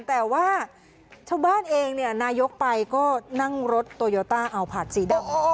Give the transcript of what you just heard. แต่ว่าชาวบ้านเองเนี่ยนายกไปก็นั่งรถโตโยต้าเอาผาดสีดำ